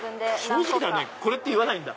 正直だねこれ！と言わないんだ。